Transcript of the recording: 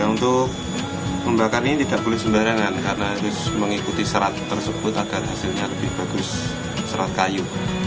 untuk membakar ini tidak boleh sembarangan karena harus mengikuti serat tersebut agar hasilnya lebih bagus serat kayu